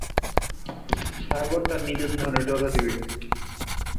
বাষ্প এবং জল অবিলম্বে এটি দিয়ে পালাতে শুরু করে।